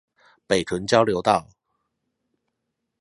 北屯交流道